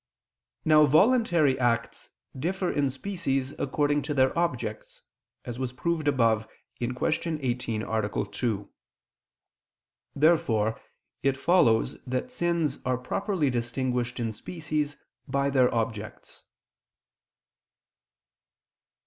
Now voluntary acts differ in species according to their objects, as was proved above (Q. 18, A. 2). Therefore it follows that sins are properly distinguished in species by their objects.